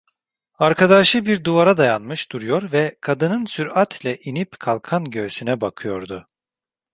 Arkadaşı bir duvara dayanmış duruyor ve kadının süratle inip kalkan göğsüne bakıyordu.